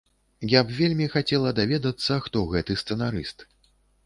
Я б вельмі хацела даведацца, хто гэты сцэнарыст.